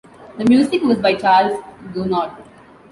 The music was by Charles Gounod.